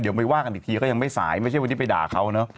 เดี๋ยวไปว่ากันอีกทีก็ยังไม่สายไม่ใช่วันนี้ไปด่าเขาเนอะ